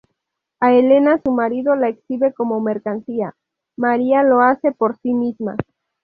A Elena su marido la exhibe como mercancía, María lo hace por sí misma.